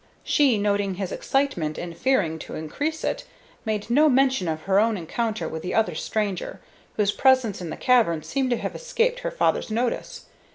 She, noting his excitement and fearing to increase it, made no mention of her own encounter with the other stranger, whose presence in the cavern seemed to have escaped her father's notice.